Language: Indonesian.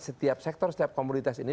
setiap sektor setiap komunitas ini